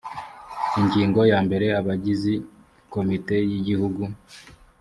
ingingo ya mbere abagizi komite y igihugu